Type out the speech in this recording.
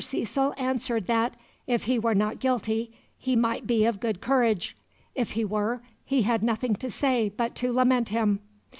Cecil answered that, if he were not guilty, he might be of good courage; if he were, he had nothing to say but to lament him."